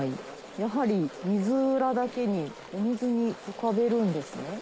やはり水占だけにお水に浮かべるんですね。